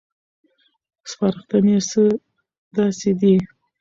سپارښتنې یې څه داسې دي: